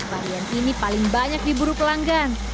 variant ini paling banyak di buru pelanggan